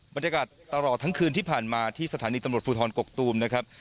บรรยากาศตลอดทั้งคืนที่ผ่านมาที่สถานีตำรวจภูทรกกตูมนะครับ